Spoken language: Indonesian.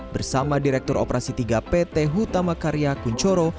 bersama direktur operasi tiga pt hutama karya kunchoro